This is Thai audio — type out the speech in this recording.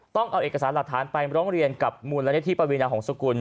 ต้องเอาเอกสารหลักฐานไปร้องเรียนกับมูลนิธิปวีนาหงษกุล